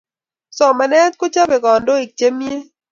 somanet kochobei kandoik chemyee